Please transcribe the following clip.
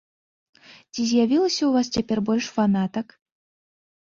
Ці з'явілася ў вас цяпер больш фанатак?